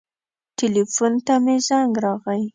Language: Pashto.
ټیلیفون ته مې زنګ راغی.